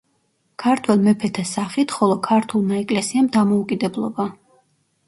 ქართველ მეფეთა სახით, ხოლო ქართულმა ეკლესიამ დამოუკიდებლობა.